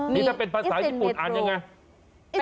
นี่ถ้าเป็นภาษาญี่ปุ่นอ่านยังไง